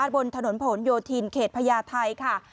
บนถนนผลโยธินเขตพญาไทยค่ะ